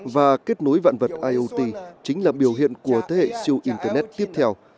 và kết nối vạn vật iot chính là biểu hiện của thế hệ siêu internet tiếp theo